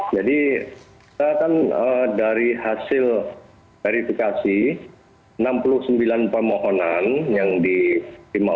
jadi saya kan dari hasil verifikasi enam puluh sembilan pemohonan yang dikirimkan oleh